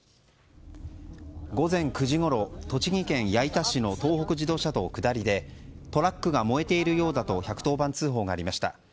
午前９時ごろ、栃木県矢板市の東北自動車道下りでトラックが燃えているようだと１１０番通報がありました。